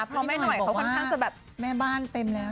พอแม่หน่อยบอกว่าแม่บ้านเต็มแล้ว